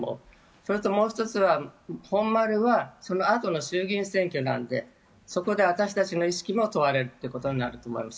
それともう１つは、本丸はそのあとの衆議院選挙なのでそこで私たちの意識も問われると思います。